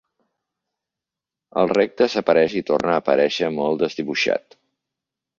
El rec desapareix i torna a aparèixer molt desdibuixat.